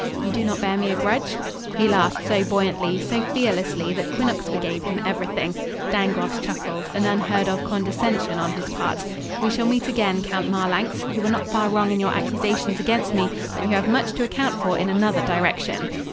You do not bear me a grudge?" He laughed so buoyantly, so fearlessly that Quinnox forgave him everything. Dangloss chuckled, an unheard of condescension on his part. "We shall meet again, Count Marlanx. You were not far wrong in your accusations against me, but you have much to account for in another direction."